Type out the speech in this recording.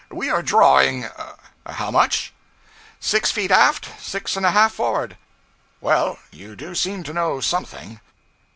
We are drawing how much?' 'Six feet aft, six and a half forward.' 'Well, you do seem to know something.'